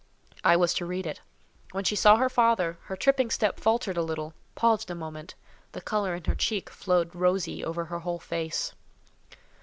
I was to read it. When she saw her father, her tripping step faltered a little, paused a moment—the colour in her cheek flowed rosy over her whole face.